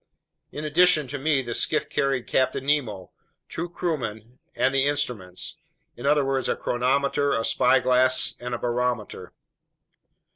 In addition to me, the skiff carried Captain Nemo, two crewmen, and the instruments—in other words, a chronometer, a spyglass, and a barometer.